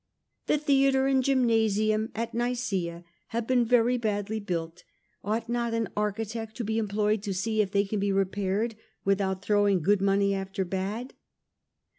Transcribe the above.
^The theatre and gymnasium at Nicaea have been very badly built, ought not an architect to be employed to see if they can be repaired without throwing good money after bad?'